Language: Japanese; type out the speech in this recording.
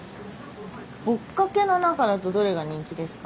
ぼっかけの中だとどれが人気ですか？